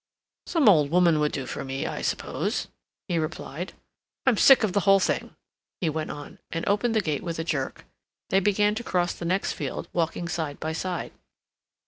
"Some old woman would do for me, I suppose," he replied. "I'm sick of the whole thing," he went on, and opened the gate with a jerk. They began to cross the next field walking side by side.